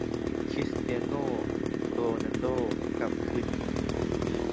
คริสเตียโน่ โรนัลโด้ กลับคืนถิ่น